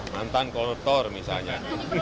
mantan kotor misalnya